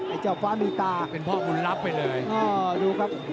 ไอ้เจ้าฟ้ามีตาเหมือนพ่อมุนลับไปเลยโอ้ดูครับ